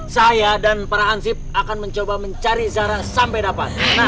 saya dan para ansip akan mencoba mencari zara sampai dapat